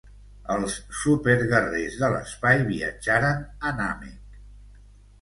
Els superguerrers de l'espai viatjaren a Nàmek.